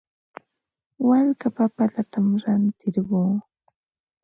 Walka papallatam rantirquu.